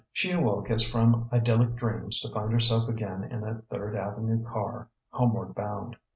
She awoke as from idyllic dreams to find herself again in a Third Avenue car, homeward bound.